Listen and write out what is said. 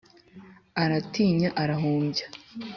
aratinya arahumbya